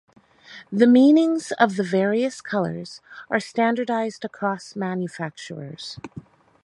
The meanings of the various colors are standardized across manufacturers.